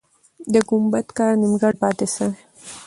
د ګمبد کار نیمګړی پاتې سوی دی.